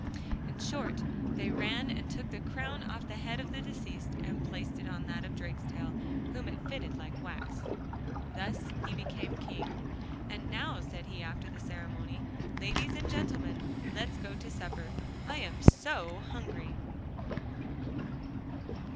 In short, they ran and took the crown off the head of the deceased, and placed it on that of Drakestail, whom it fitted like wax. Thus he became King. 'And now,' said he after the ceremony, 'ladies and gentlemen, let's go to supper. I am so hungry!